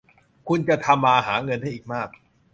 คุณจะทำมาหาเงินได้อีกมาก